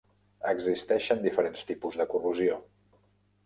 Existeixen diferents tipus de corrosió.